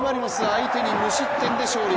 相手に無失点で勝利